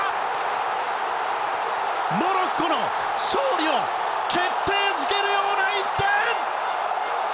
モロッコの勝利を決定づけるような１点！